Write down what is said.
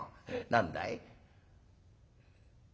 「何だい？」。